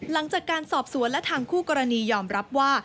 หลังจากการสอบสวนและทางคู่กรณียอมรับว่า